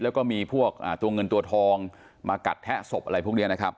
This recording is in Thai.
และก็มีพวกเงินตัวทองมากัดแถ้สบอะไรพวกนี้